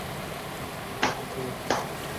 আমি বললাম ও আমার বোন, তোকে মাফ চাইতে শুনলাম না তো?